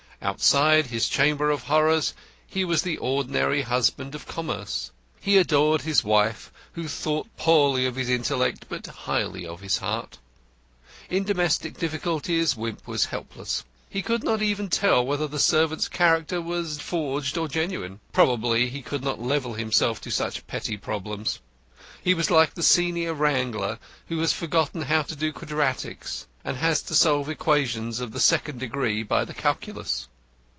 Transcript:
Outside his chamber of horrors he was the ordinary husband of commerce. He adored his wife, who thought poorly of his intellect but highly of his heart. In domestic difficulties Wimp was helpless. He could not tell even whether the servant's "character" was forged or genuine. Probably he could not level himself to such petty problems. He was like the senior wrangler who has forgotten how to do quadratics, and has to solve equations of the second degree by the calculus.